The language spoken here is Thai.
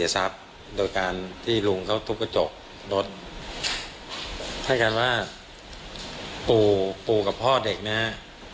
เท่ากันว่าปู่กับพ่อเด็กนะฮะ